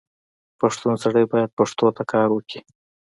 پښتون سړی باید پښتو ته کار وکړي.